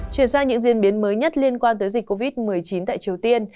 chuyển sang những diễn biến mới nhất liên quan tới dịch covid một mươi chín tại triều tiên